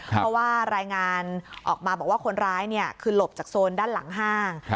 เพราะว่ารายงานออกมาบอกว่าคนร้ายคือหลบจากโซนด้านหลังห้าง